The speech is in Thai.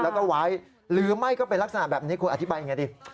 แล้วก็ไว้หรือไม่ก็เป็นลักษณะแบบนี้คุณอธิบายยังไงดิ